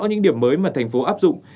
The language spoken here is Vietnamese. những điểm mới mà thành phố áp dụng